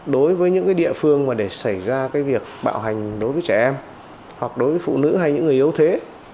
đối với những địa phương mà để xảy ra việc bạo hành đối với trẻ em hoặc đối với phụ nữ hay những người yếu thế